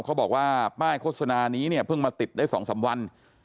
เขาบอกว่าป้ายโฆษณานี้เนี่ยเพิ่งมาติดได้๒๓วัน